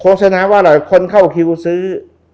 โขศนาว่าเหรอคนเข้าคิวซื้อ